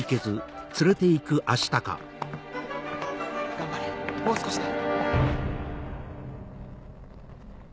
頑張れもう少しだ。